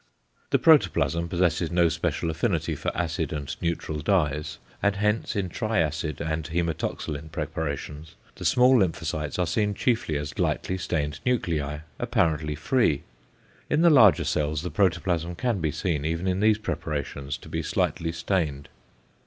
The protoplasm possesses no special affinity for acid and neutral dyes, and hence in triacid and hæmatoxylin preparations the small lymphocytes are seen chiefly as lightly stained nuclei, apparently free. In the larger cells the protoplasm can be seen even in these preparations to be slightly stained.